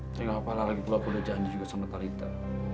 tapi nggak apa apa lagi aku udah janji juga sama talita